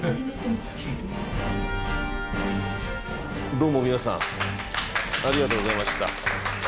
どうも皆さんありがとうございました。